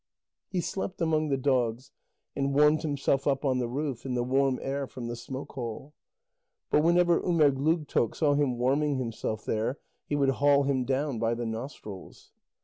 He slept among the dogs, and warmed himself up on the roof, in the warm air from the smoke hole. But whenever Umerdlugtoq saw him warming himself there, he would haul him down by the nostrils.